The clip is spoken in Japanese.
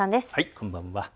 こんばんは。